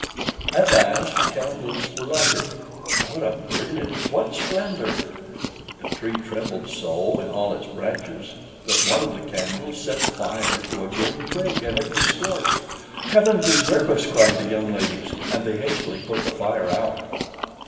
At last the candles were lighted. What a brilliance, what splendor! The Tree trembled so in all its branches that one of the candles set fire to a green twig, and it was scorched. "Heaven preserve us!" cried the young ladies; and they hastily put the fire out.